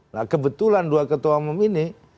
nah kebetulan dua ketua umum ini